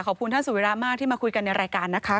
ขอบคุณท่านสุวิระมากที่มาคุยกันในรายการนะคะ